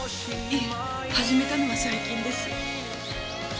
いえ始めたのは最近です。